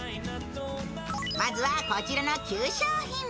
まずはこちらの９商品。